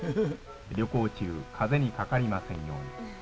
旅行中、かぜにかかりませんように。